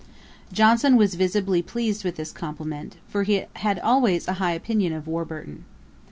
Johnson was visibly pleased with this compliment, for he had always a high opinion of Warburton.